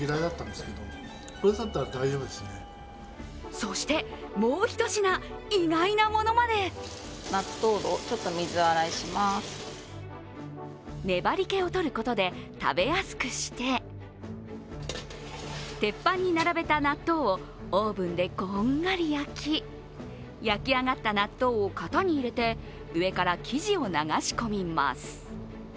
そしてもう一品、意外なものまで粘りけをとることで食べやすくして鉄板に並べた納豆をオーブンでこんがり焼き、焼き上がった納豆を型に入れて上から生地を流し込みます。